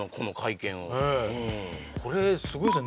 これすごいですね